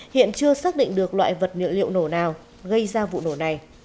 hiện chưa xác định được loại vật liệu nổ nào gây ra vụ nổ này